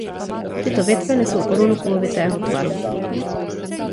Tyto větve nesou korunu kulovitého tvaru.